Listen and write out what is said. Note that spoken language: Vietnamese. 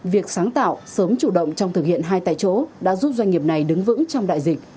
việc sáng tạo sớm chủ động trong thực hiện hai tại chỗ đã giúp doanh nghiệp này đứng vững trong đại dịch